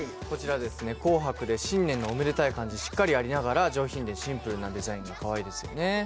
紅白で新年のおめでたい感じはしっかりありながら上品でシンプルなデザインがかわいいですよね。